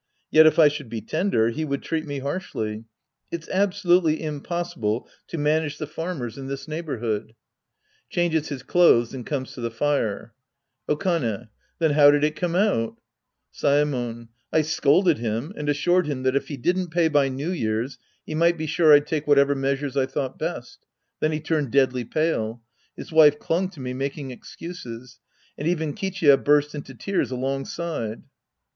Yet if I should be tender, he would treat me harshly. It's absolutely impossible to manage the farmers in tliis Sc. I The Priest and His Disciples 17 neighborhood. (^Changes his clothes and comes to the fire ^ Okane. Then how did it come out ? Saemon. I scolded him and assured him that if he didn't pay by New Year's, he might be sure I'd take whatever measures I thought best. Then he turned deadly pale. His wife clung to me making excuses. And even Kichiya burst into tears algiig side.